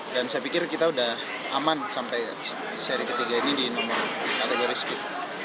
dan saya pikir kita sudah aman sampai seri ketiga ini di nomor kategori speed